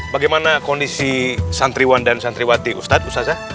bagaimana kondisi santriwan dan santriwati ustadz usazah